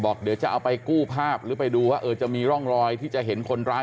เดี๋ยวจะเอาไปกู้ภาพหรือไปดูว่าเออจะมีร่องรอยที่จะเห็นคนร้าย